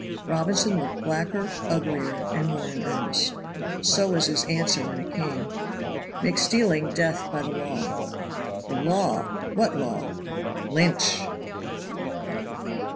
Robinson looked blacker, uglier and more in earnest. So was his answer when it came. "Make stealing death by the law." "The law! What law?" "Lynch!"